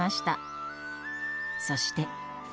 そして。